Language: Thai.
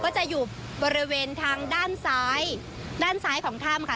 จะอยู่บริเวณทางด้านซ้ายด้านซ้ายของถ้ำค่ะ